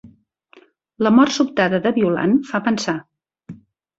La mort sobtada de Violant fa pensar.